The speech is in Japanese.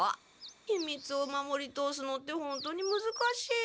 ひみつを守り通すのってほんとにむずかしい。